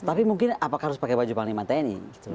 tapi mungkin apakah harus pakai baju panglima tni